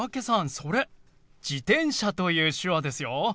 それ「自転車」という手話ですよ。